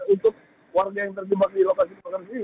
untuk warga yang terjebak di lokasi kebakaran sendiri